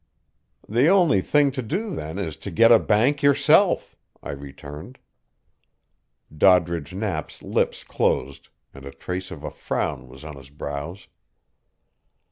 "The only thing to do then is to get a bank yourself," I returned. Doddridge Knapp's lips closed, and a trace of a frown was on his brows.